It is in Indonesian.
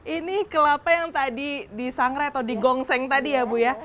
ini kelapa yang tadi disangrai atau digongseng tadi ya bu ya